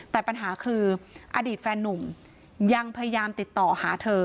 แต่ปัญหาคืออดีตแฟนนุ่มยังพยายามติดต่อหาเธอ